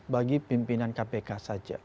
bagi pimpinan kpk saja